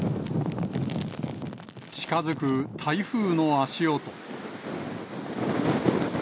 近づく台風の足音。